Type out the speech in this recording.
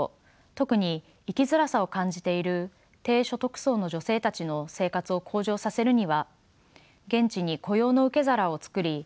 特に生きづらさを感じている低所得層の女性たちの生活を向上させるには現地に雇用の受け皿を作り